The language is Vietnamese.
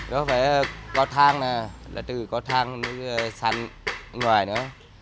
nó phải có thang nè là từ có thang sang ngoài nữa